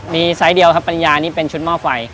มีไซส์เดียวครับปริญญานี่เป็นชุดหม้อไฟ